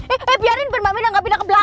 eh biarin permainan gak pindah ke belakang